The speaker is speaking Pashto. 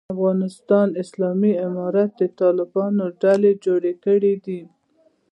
د افغانستان اسلامي امارت د طالبانو ډلې جوړ کړی دی.